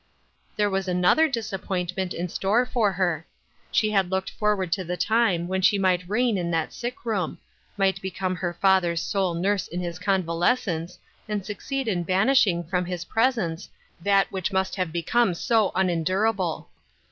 There was another disappointment in store for her. She had looked forward to the time when she might reign in that sick room — might be come her father's sole nurse in his convalescence, and succeed in banishing from his presence that which must have become so unendurable.